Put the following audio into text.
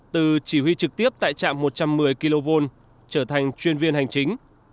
từ chỉ huy trực tiếp tại trạm một trăm một mươi kv trở thành chuyên viên hành chính